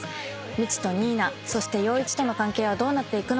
みちと新名そして陽一との関係はどうなっていくのか。